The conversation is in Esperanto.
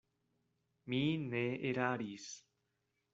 Mi ne eraris.